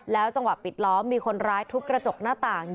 จังหวะปิดล้อมมีคนร้ายทุบกระจกหน้าต่าง